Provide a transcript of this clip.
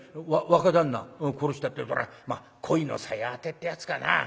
若旦那を殺したっていうからまあ恋のさや当てってやつかなあ。